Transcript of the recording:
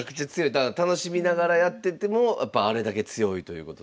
だから楽しみながらやっててもやっぱあれだけ強いということで。